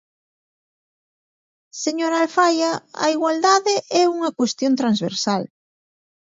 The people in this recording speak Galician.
Señora Alfaia, a igualdade é unha cuestión transversal.